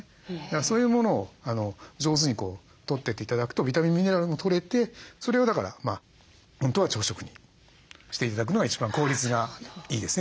そういうものを上手にとってって頂くとビタミンミネラルもとれてそれをだから本当は朝食にして頂くのが一番効率がいいですね。